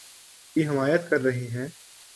کی حمایت کر رہے ہیں